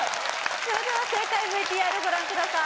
では正解ＶＴＲご覧ください